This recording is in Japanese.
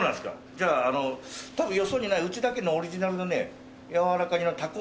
じゃああの多分よそにないうちだけのオリジナルのねやわらか煮のたこ